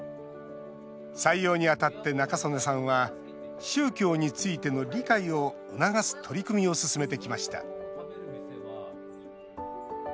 採用にあたって、仲宗根さんは宗教についての理解を促す取り組みを進めてきました。